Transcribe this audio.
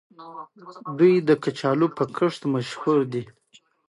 دوی د کچالو په کښت مشهور دي.